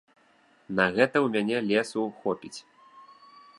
На гэта ў мяне лесу хопіць.